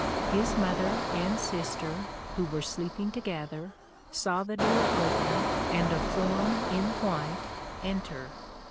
His mother and sister, who were sleeping together, saw the door open and a form in white enter.